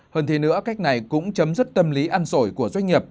hơn thế nữa cách này cũng chấm dứt tâm lý ăn sổi của doanh nghiệp